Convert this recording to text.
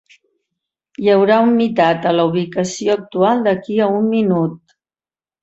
Hi haurà humitat a la ubicació actual d'aquí a un minut?